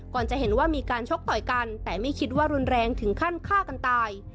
จะเห็นว่ามีการชกต่อยกันแต่ไม่คิดว่ารุนแรงถึงขั้นฆ่ากันตาย